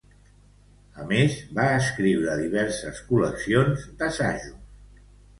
A més, va escriure diverses col·leccions d'assajos.